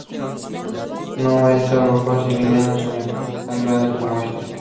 No es algo fácil, y menos en un club tan grande como este.